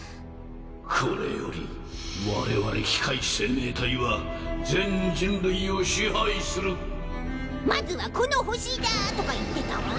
これより我々機械生命体は全人類を支配する「まずはこの星だ」とか言ってたわ。